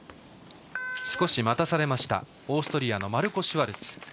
少し待たされましたオーストリアのマルコ・シュワルツ。